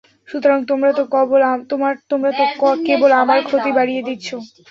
সুতরাং তোমরা তো কেবল আমার ক্ষতিই বাড়িয়ে দিচ্ছ।